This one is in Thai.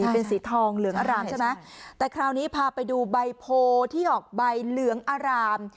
เป็นสีทองเหลืองอารามใช่ไหมแต่คราวนี้พาไปดูใบโพที่ออกใบเหลืองอาราม